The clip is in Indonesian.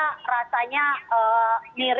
kemudian saya rasanya mirip hati saya kemudian